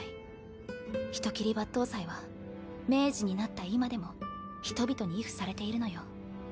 人斬り抜刀斎は明治になった今でも人々に畏怖されているのよ。